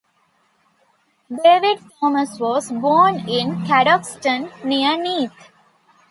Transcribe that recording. David Thomas was born in Cadoxton, near Neath.